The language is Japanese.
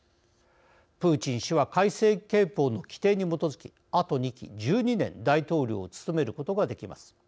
プーチン氏は改正憲法の規定に基づき、あと２期１２年大統領を務めることができます。